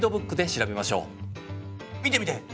見てみて！